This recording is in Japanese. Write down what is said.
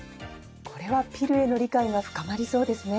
これはピルへの理解が深まりそうですね。